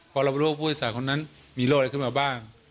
เพราะเรารู้ว่าผู้อาจารย์คนนั้นมีโรคอะไรขึ้นมาบ้าง